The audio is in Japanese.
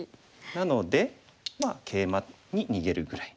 なのでケイマに逃げるぐらい。